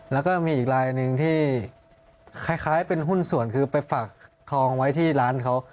แล้วก็มีอีกลายหนึ่งที่คล้ายเป็นหุ้นส่วนคือไปฝากทองไว้ที่ร้านเขา